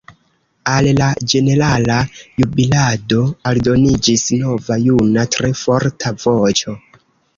Al la ĝenerala jubilado aldoniĝis nova juna tre forta voĉo.